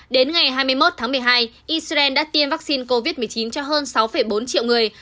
đến ngày hai mươi một tháng một mươi hai israel đã tiêm vaccine covid một mươi chín cho hơn sáu bốn triệu người